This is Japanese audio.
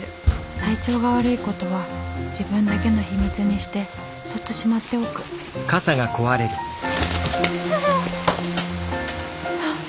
体調が悪いことは自分だけの秘密にしてそっとしまっておくはわ。